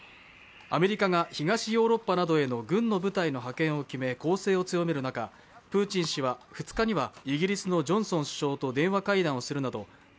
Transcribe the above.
アメリカが東ヨーロッパなどへの軍の部隊の派遣を決め攻勢を強める中、プーチン氏は２日にはイギリスのジョンソン首相と電話会談するなど